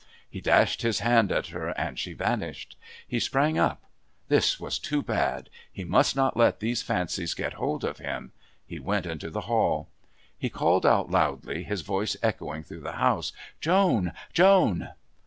He dashed his hand at her and she vanished. He sprang up. This was too bad. He must not let these fancies get hold of him. He went into the hall. He called out loudly, his voice echoing through the house, "Joan! Joan!"